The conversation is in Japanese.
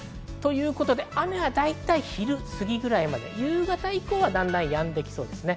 雨はだいたい昼過ぎぐらいまで、夕方以降はだんだんやんできそうです。